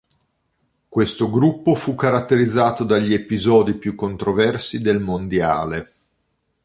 Questo gruppo fu caratterizzato dagli episodi più controversi del Mondiale.